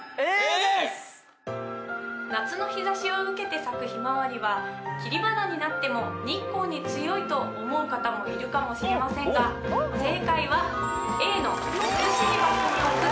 夏の日差しを受けて咲くヒマワリは切り花になっても日光に強いと思う方もいるかもしれませんが正解はＡの涼しい場所に置くでした。